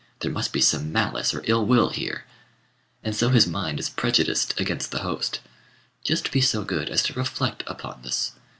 There must be some malice or ill will here." And so his mind is prejudiced against the host. Just be so good as to reflect upon this.